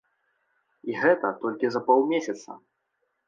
І гэта толькі за паўмесяца.